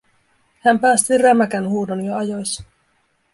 Hän päästi rämäkän huudon jo ajoissa.